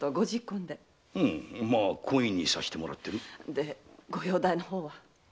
でご容体の方は？